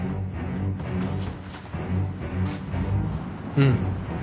うん。